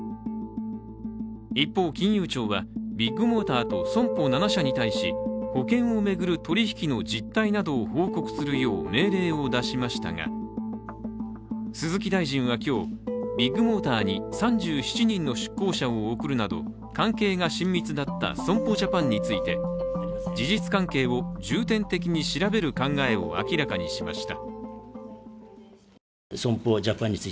一方、金融庁はビッグモーターと損保７社に対し、保険を巡る取引の実態などを報告するよう命令を出しましたが、鈴木大臣は今日、ビッグモーターに３７人の出向者を送るなど関係が親密だった損保ジャパンについて、事実関係を、重点的に調べる考えを明らかにしました。